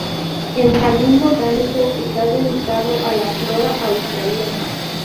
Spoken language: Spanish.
El jardín botánico está dedicado a la flora australiana.